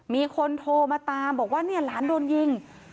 มีคนโทรมาตามบอกว่าเนี่ยหลานโดนยิง